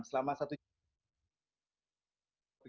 selama satu jam